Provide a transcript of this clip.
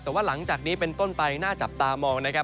แต่ว่าหลังจากนี้เป็นต้นไปน่าจับตามองนะครับ